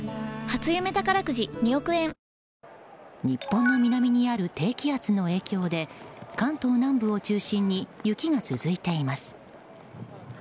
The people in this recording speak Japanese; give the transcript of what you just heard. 日本の南にある低気圧の影響で関東南部を中心に雪が続いています。